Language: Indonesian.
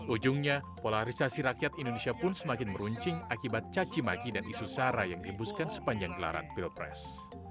ujungnya polarisasi rakyat indonesia pun semakin meruncing akibat cacimaki dan isu sara yang dihembuskan sepanjang gelaran pilpres